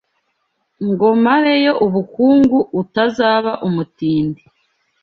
Ngo mare yo ubukungu Utazaba umutindi